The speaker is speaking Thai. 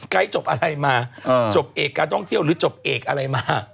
จบอะไรมาจบเอกการท่องเที่ยวหรือจบเอกอะไรมา